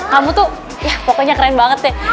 kamu tuh ya pokoknya keren banget ya